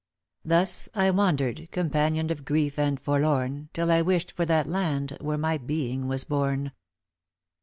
Thus I wander'd, oompanion'd of grief and forlorn. Till I wish'd for that land where my being was born."